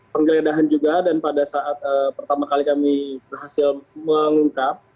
penggeledahan juga dan pada saat pertama kali kami berhasil mengungkap